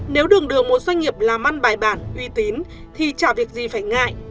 nếu đường đường một doanh nghiệp làm ăn bài bản uy tín thì chả việc gì phải ngại